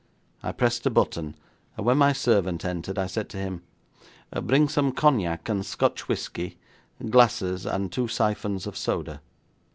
I pressed a button, and when my servant entered, I said to him: 'Bring some Cognac and Scotch whisky, glasses, and two syphons of soda.'